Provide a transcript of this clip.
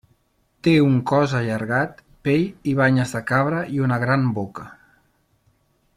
Té un cos allargat, pell i banyes de cabra i una gran boca.